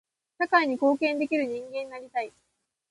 社会に貢献できる人間になりたい。